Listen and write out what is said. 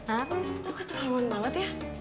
aku keterlaluan banget ya